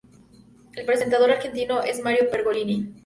El presentador argentino es Mario Pergolini.